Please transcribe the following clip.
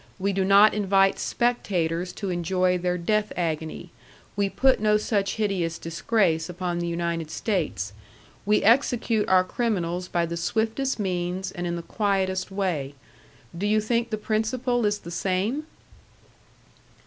We do not invite spectators to enjoy their death agony. We put no such hideous disgrace upon the United States. We execute our criminals by the swiftest means, and in the quietest way. Do you think the principle is the same?"